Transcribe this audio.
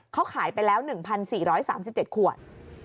เขาขายไปแล้ว๑๔๓๗ขวด